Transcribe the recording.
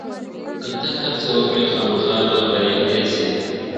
که ته هڅه وکړې، خامخا به بريالی سې.